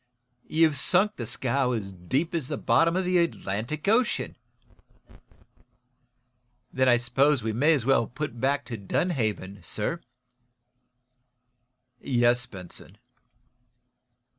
"You've sunk the scow as deep as the bottom of the Atlantic Ocean." "Then I suppose we may as well put back to Dunhaven, sir?" "Yes, Benson."